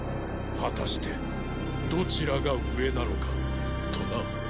果たしてどちらが上なのかとな。